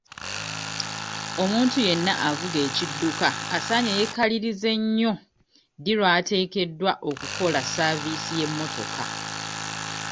Omuntu yenna avuga ekidduka asaanye yeekalirize nnyo ddi lw'ateekeddwa okukola saaviisi y'emmotoka?